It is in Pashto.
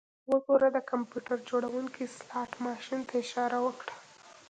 وګوره د کمپیوټر جوړونکي سلاټ ماشین ته اشاره وکړه